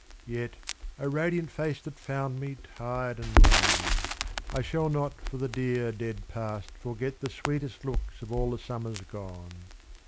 Yet, O radiant face that found me tired and lone! I shall not for the dear, dead past forget The sweetest looks of all the summers gone.